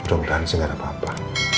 udah beransi gak ada apa apa